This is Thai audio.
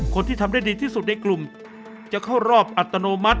คนที่ทำได้ดีที่สุดในกลุ่มจะเข้ารอบอัตโนมัติ